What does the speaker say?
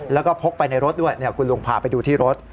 แล้วก็พกไปในรถด้วยคุณลุงพาไปดูที่รถ